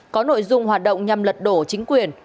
có nội dung hoạt động nhằm lật đổ chính quyền